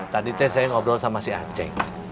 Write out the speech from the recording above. tadi itu saya ngobrol sama si acek